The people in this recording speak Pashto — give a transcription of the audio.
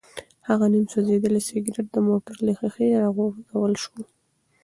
هغه نیم سوځېدلی سګرټ د موټر له ښیښې راوغورځول شو.